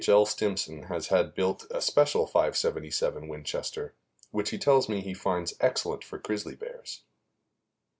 L. Stimson has had built a special .577 Winchester, which he tells me he finds excellent for grizzly bears.